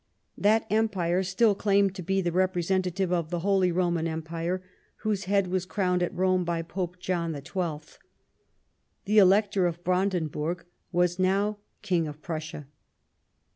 That empire still claimed to be the rep resentative of the Holy Roman Empire, whose head was crowned at Rome by Pope John the Twelfth. The Elector of Brandenburg was now King of Prussia.